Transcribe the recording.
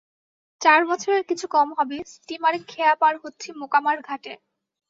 চার বছরের কিছু কম হবে, স্টীমারে খেয়া পার হচ্ছি মোকামার ঘাটে।